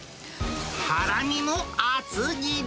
ハラミも厚切り。